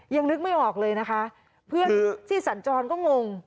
ยังนึกไม่ออกเลยนะคะเพื่อนที่สัญจรก็งง